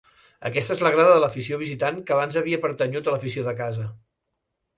Aquesta és la grada de l'afició visitant que abans havia pertanyut a l'afició de casa.